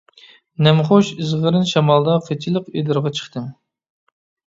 نەمخۇش، ئىزغىرىن شامالدا قىچىلىق ئېدىرغا چىقتىم.